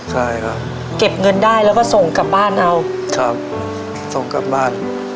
ใช่ครับเก็บเงินได้แล้วก็ส่งกลับบ้านเอาครับส่งกลับบ้าน